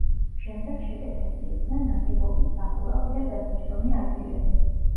შემდეგ შეკეთებულ იქნა ნაგებობის სახურავი და დასაჯდომი ადგილები.